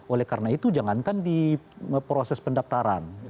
oleh karena itu jangankan di proses pendaftaran